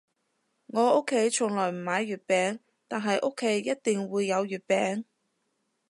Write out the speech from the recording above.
我屋企從來唔買月餅，但係屋企一定會有月餅